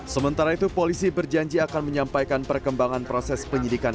sementara itu polisi berjanji akan menyampaikan perkembangan proses penyidikan